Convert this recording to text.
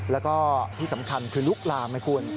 แล้วก็ที่สำคัญคือลุกลามไหมคุณ